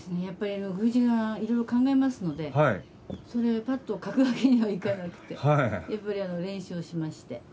やっぱり宮司がいろいろ考えますのでそれをパッと書くわけにはいかなくてやっぱり練習をしまして。